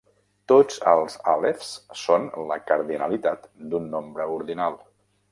Tots els àlefs són la cardinalitat d'un nombre ordinal.